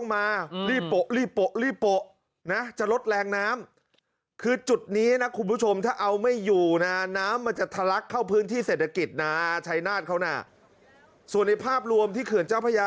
มันจะทะลักเข้าพื้นที่เศรษฐกิจนะชัยนาธิ์เขาน่ะส่วนในภาพรวมที่เขื่อนเจ้าพระยา